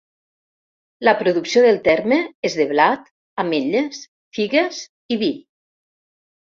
La producció del terme és de blat, ametlles, figues i vi.